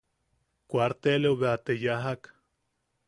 Kuaarteleu bea te yajak.